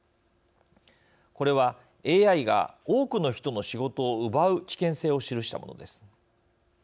これはＡＩが多くの人の仕事を奪う危険性を記したものです。